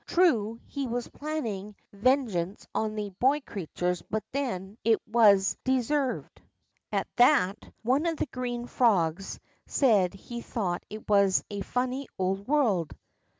True, he was planning ven 72 THE ROCK FROG geance on the boy creatures, but then, it was de served." At that, one of the green frogs said be thought it was a funny old world.